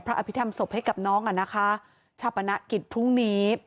อภิษฐรรมศพให้กับน้องอ่ะนะคะชาปนกิจพรุ่งนี้